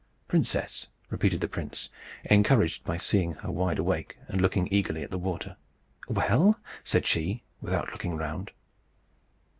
"Princess!" repeated the prince, encouraged by seeing her wide awake and looking eagerly at the water. "Well?" said she, without looking round.